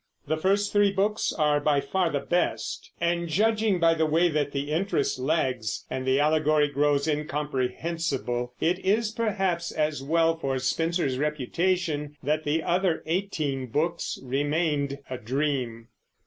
The first three books are by far the best; and judging by the way the interest lags and the allegory grows incomprehensible, it is perhaps as well for Spenser's reputation that the other eighteen books remained a dream.